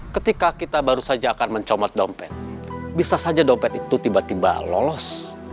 ketika kita baru saja akan mencomot dompet bisa saja dompet itu tiba tiba lolos